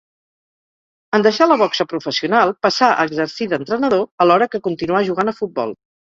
En deixar la boxa professional passà a exercir d'entrenador, alhora que continuà jugant a futbol.